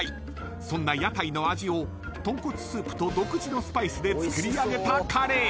［そんな屋台の味をとんこつスープと独自のスパイスで作り上げたカレー］